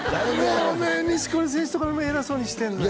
もうね錦織選手とかにも偉そうにしてんのよ